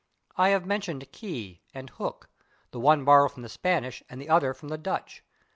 I have mentioned /key/ and /hook/, the one borrowed from the Spanish and the other from the Dutch.